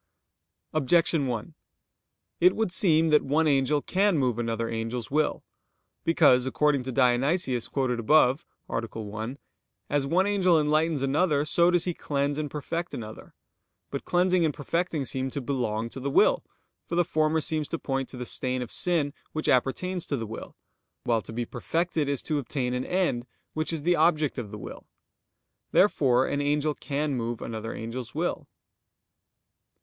Objection 1: It would seem that one angel can move another angel's will. Because, according to Dionysius quoted above (A. 1), as one angel enlightens another, so does he cleanse and perfect another. But cleansing and perfecting seem to belong to the will: for the former seems to point to the stain of sin which appertains to will; while to be perfected is to obtain an end, which is the object of the will. Therefore an angel can move another angel's will.